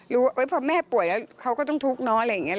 ว่าพอแม่ป่วยแล้วเขาก็ต้องทุกข์เนอะอะไรอย่างนี้